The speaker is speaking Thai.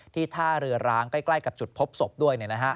ท่าเรือร้างใกล้กับจุดพบศพด้วย